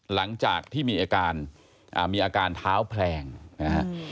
หลังจากที่มีอาการท้าวแพลงนะฮะ